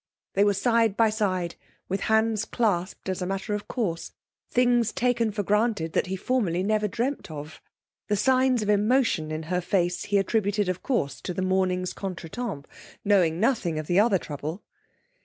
They were side by side, with hands clasped as a matter of course, things taken for granted that he formerly never dreamt of. The signs of emotion in her face he attributed of course to the morning's contretemps, knowing nothing of the other trouble.